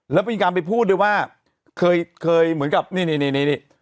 แล้วมีการไปพูดด้วยว่าเคยเคยเหมือนกับนี่นี่